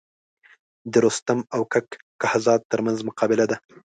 د رستم او کک کهزاد تر منځ مقابله ده.